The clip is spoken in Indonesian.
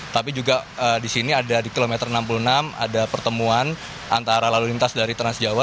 tapi juga di sini ada di kilometer enam puluh enam ada pertemuan antara lalu lintas dari transjawa